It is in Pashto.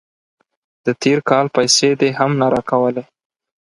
د تیر کال پیسې دې هم نه راکولې.